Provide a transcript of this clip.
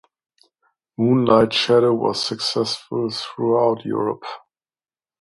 "Moonlight Shadow" was successful throughout Europe.